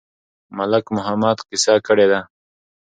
ملک محمد قصه کړې ده.